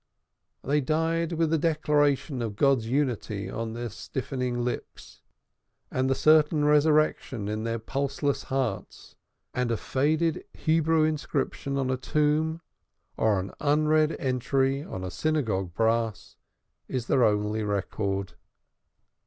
They died with the declaration of God's unity on their stiffening lips, and the certainty of resurrection in their pulseless hearts, and a faded Hebrew inscription on a tomb, or an unread entry on a synagogue brass is their only record.